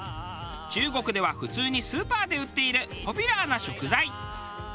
中国では普通にスーパーで売っているポピュラーな食材。